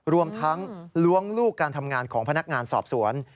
รวมทั้งล้วงลูกการทำงานของพนักงานสอบสวน